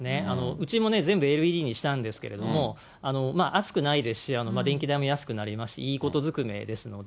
うちもね、全部ＬＥＤにしたんですけれども、熱くないですし、電気代も安くなりますので、いいことづくめですので。